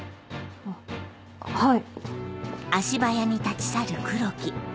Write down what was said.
あっはい。